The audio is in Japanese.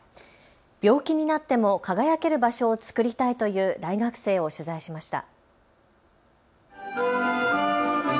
病気になっても輝ける場所を作りたいという大学生を取材しました。